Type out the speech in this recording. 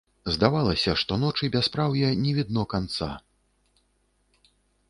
Здавалася, што ночы бяспраўя не відно канца.